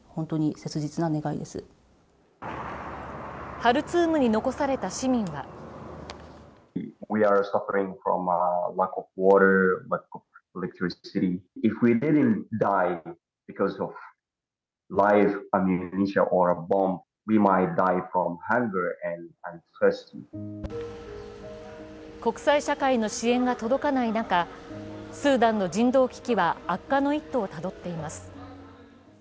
ハルツームに残された市民は国際社会の支援が届かない中、スーダンの人道危機は悪化の一途をたどっています。